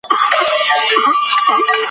اميدوارې مورې، د خپلې روغتيا ارزښت وپېژنه